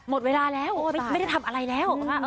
หมดเวลาแล้วไม่ได้ทำอะไรแล้ว